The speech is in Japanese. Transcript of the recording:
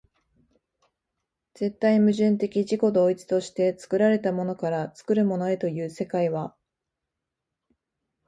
絶対矛盾的自己同一として作られたものから作るものへという世界は、